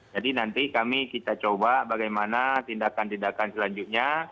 jadi nanti kami kita coba bagaimana tindakan tindakan selanjutnya